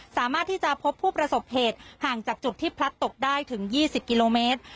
สามารถที่จะพบผู้ประสบเหตุห่างจากจุดที่พลัดตกได้ถึง๒๐กิโลเมตร